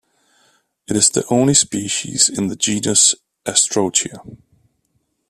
It is the only species in the genus Astrotia.